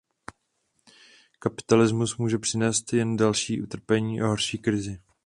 Kapitalismus může přinést jen další utrpení a horší krizi.